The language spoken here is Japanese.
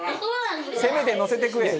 「せめてのせて食え！」